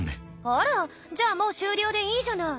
あらじゃあもう終了でいいじゃない。